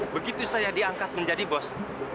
begitu saya diangkat menjadi bos